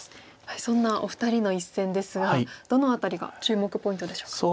そんなお二人の一戦ですがどの辺りが注目ポイントでしょうか。